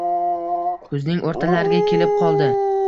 Kuzning oʻrtalariga kelib qoldi.